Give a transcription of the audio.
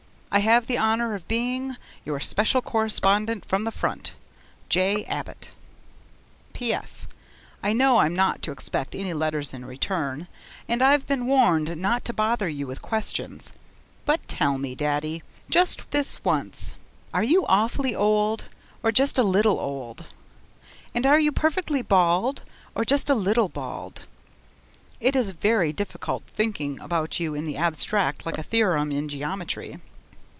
I have the honour of being, Your special correspondent from the front, J. Abbott PS. I know I'm not to expect any letters in return, and I've been warned not to bother you with questions, but tell me, Daddy, just this once are you awfully old or just a little old? And are you perfectly bald or just a little bald? It is very difficult thinking about you in the abstract like a theorem in geometry.